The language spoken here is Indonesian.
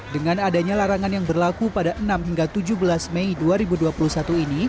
dengan adanya larangan yang berlaku pada enam hingga tujuh belas mei dua ribu dua puluh satu ini